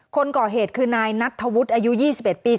คนก่อเหตุคือนายนัทธวุฒิอายุ๒๑ปี